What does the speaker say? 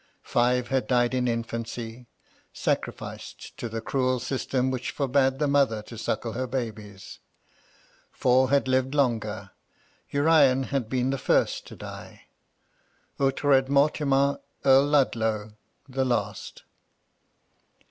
Five had died in infancy, — sacrificed to the cruel system which forbade the mother to suckle her babies. Four had lived longer ; Urian had been the first to die, Ughtred Mortimar, Earl Ludlow, the last.